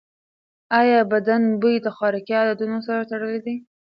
ایا بدن بوی د خوراکي عادتونو سره تړلی دی؟